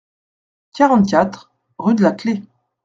quarante-quatre, rue de la Clef.